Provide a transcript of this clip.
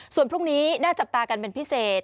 ส่วนพรุ่งนี้น่าจับตากันเป็นพิเศษ